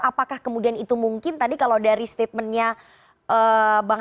apakah kemudian itu mungkin tadi kalau dari statementnya bang habib belum ada arahan memang ya